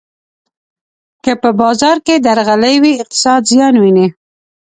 که په بازار کې درغلي وي، اقتصاد زیان ویني.